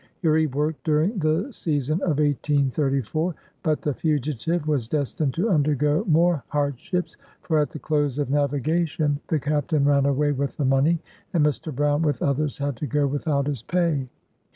57 Here he worked during the sea son of 1834. But the fugitive was destined to undergo more hardships, for at the close of navigation, the captain ran away with the money, and Mr. Brown, with others, had to go without his pay.